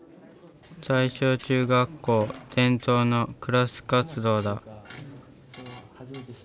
大正中学校伝統のクラス活動だ。